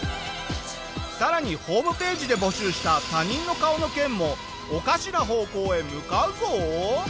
更にホームページで募集した他人の顔の件もおかしな方向へ向かうぞ！